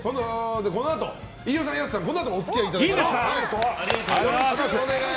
このあと、飯尾さんやすさんにはこのあともお付き合いいただきます。